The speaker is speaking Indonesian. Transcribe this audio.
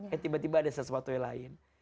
eh tiba tiba ada sesuatu yang lain